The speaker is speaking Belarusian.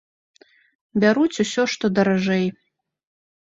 Бяруць усё, што даражэй.